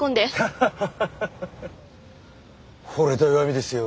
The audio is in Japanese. ハハハハほれた弱みですよ。